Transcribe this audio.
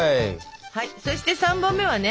そして３本目はね。